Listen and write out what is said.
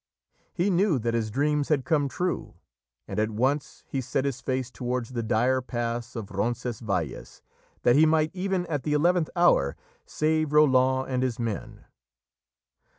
He knew that his dreams had come true, and at once he set his face towards the dire pass of Roncesvalles that he might, even at the eleventh hour, save Roland and his men.